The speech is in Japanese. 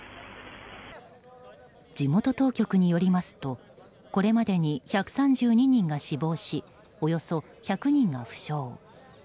地元当局によりますとこれまでに１３２人が死亡しおよそ１００人が負傷。